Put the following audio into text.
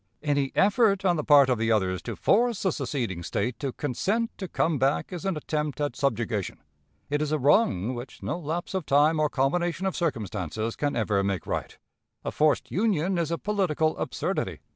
Any effort on the part of the others to force the seceding State to consent to come back is an attempt at subjugation. It is a wrong which no lapse of time or combination of circumstances can ever make right. A forced union is a political absurdity.